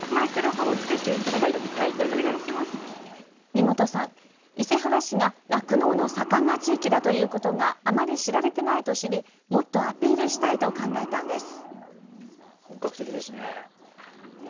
三本さん、伊勢原市が酪農の盛んな地域だということがあまり知られてないと知り、もっとアピールしたいと考えたんです。